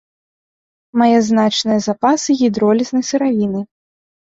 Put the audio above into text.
Мае значныя запасы гідролізнай сыравіны.